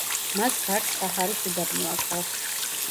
მას გარს საჰარის უდაბნო აკრავს.